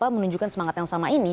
menunjukkan semangat yang sama ini